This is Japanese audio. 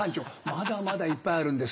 まだまだいっぱいあるんです。